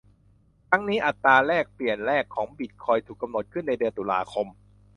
ทั้งนี้ อัตราแลกเปลี่ยนแรกของบิตคอยน์ถูกกำหนดขึ้นในเดือนตุลาคม